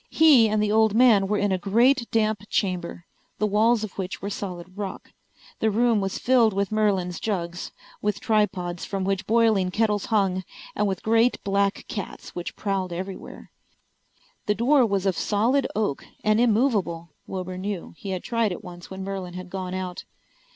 He and the old man were in a great damp chamber, the walls of which were solid rock. The room was filled with Merlin's jugs, with tripods from which boiling kettles hung, and with great black cats which prowled everywhere. The door was of solid oak and immovable. Wilbur knew; he had tried it once when Merlin had gone out.